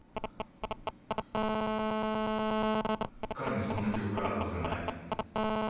彼にそんな記憶があるはずがない。